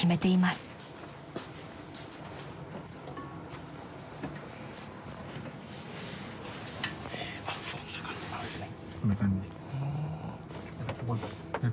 こんな感じなんですね。